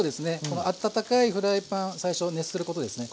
この温かいフライパン最初熱することですね